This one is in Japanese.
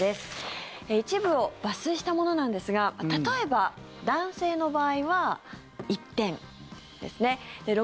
一部を抜粋したものなんですが例えば、男性の場合は１点ですね。